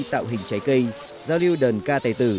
tạo hình trái cây giao lưu đơn ca tài tử